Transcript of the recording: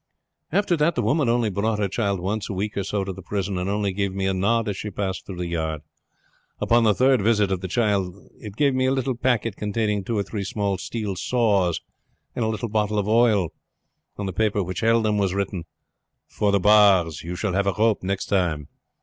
"After that the woman only brought her child once a week or so to the prison, and only gave me a nod as she passed through the yard. Upon the third visit of the child it gave me a little packet containing two or three small steel saws and a little bottle of oil. On the paper which held them was written, 'For the bars. You shall have a rope next time.'